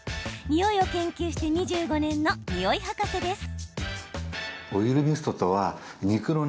においを研究して２５年のにおい博士です。